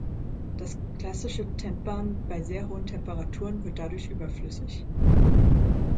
Das klassische Tempern bei sehr hohen Temperaturen wird dadurch überflüssig.